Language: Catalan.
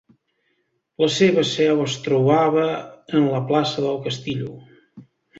La seva seu es trobava en la plaça del Castillo.